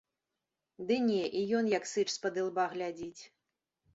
Ды не, і ён як сыч з-пад ілба глядзіць.